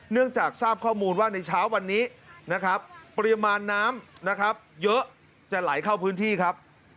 จากทราบข้อมูลว่าในเช้าวันนี้นะครับปริมาณน้ำนะครับเยอะจะไหลเข้าพื้นที่ครับ